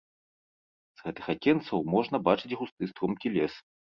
З гэтых акенцаў можна бачыць густы стромкі лес.